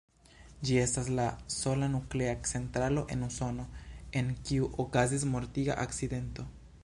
Ĝi estas la sola nuklea centralo en Usono, en kiu okazis mortiga akcidento.